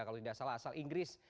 kalau tidak salah asal inggris